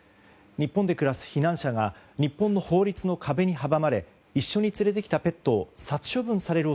日本で暮らす避難者が日本の法律の壁に阻まれ一緒に連れてきたペットを殺処分される